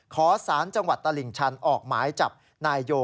ขอสารจังหวัดตลิ่งชันออกหมายจับนายโย